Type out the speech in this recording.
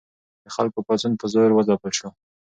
د خلکو پاڅون په زور وځپل شو.